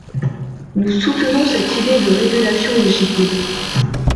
Nous soutenons cette idée de régulation des gibiers.